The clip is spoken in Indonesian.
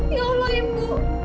ya allah ibu